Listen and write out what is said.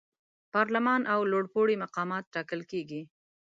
پارلمان او لوړپوړي مقامات ټاکل کیږي.